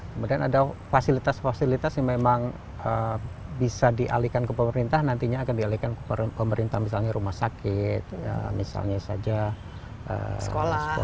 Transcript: kemudian ada fasilitas fasilitas yang memang bisa dialihkan ke pemerintah nantinya akan dialihkan ke pemerintah misalnya rumah sakit misalnya saja sekolah sekolah